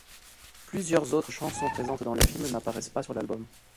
Plusieurs autres chansons présentes dans le film n'apparaissent pas sur l'album.